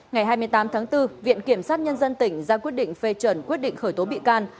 ngày hai mươi tám tháng bốn viện kiểm sát nhân dân tỉnh ra quyết định phê chuẩn quyết định khởi tố bị can